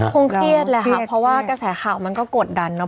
คงเครียดแหละค่ะเพราะว่ากระแสข่าวมันก็กดดันเนอ